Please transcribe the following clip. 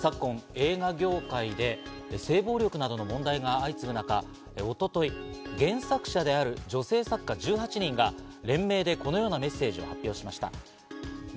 続いてですが、昨今映画業界で性暴力などの問題が相次ぐ中、一昨日、原作者である女性作家１８人が連名でこのようなメッセージを発表しました。